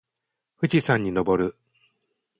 富士山にのぼる。